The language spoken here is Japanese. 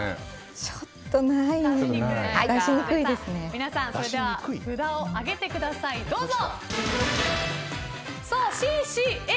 皆さん、それでは札を上げてください、どうぞ！